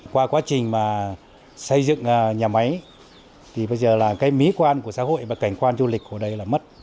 qua quá trình mà xây dựng nhà máy thì bây giờ là cái mỹ quan của xã hội và cảnh quan du lịch của đây là mất